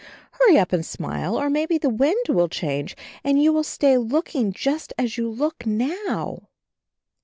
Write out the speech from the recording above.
Hurry up and smile, or maybe the wind will change and you will stay looking just as you look now!"